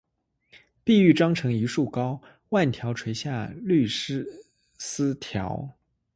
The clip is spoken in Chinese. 碧玉妆成一树高，万条垂下绿丝绦